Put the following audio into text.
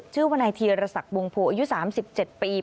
วนายธีรศักดิ์วงโพอายุ๓๗ปี